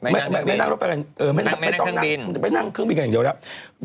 ไม่ต้องนั่งเครื่องบินกันอย่างเดียวแล้ว